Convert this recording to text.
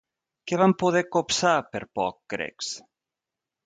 Què van poder copsar, per poc, grecs?